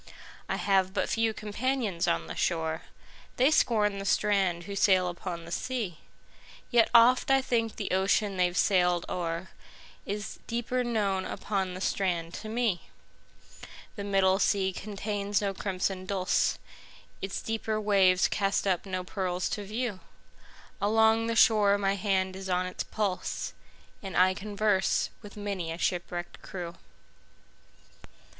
I have but few companions on the shore:They scorn the strand who sail upon the sea; Yet oft I think the ocean they've sailed o'erIs deeper known upon the strand to me. The middle sea contains no crimson dulse, Its deeper waves cast up no pearls to view; Along the shore my hand is on its pulse, And I converse with many a shipwrecked crew.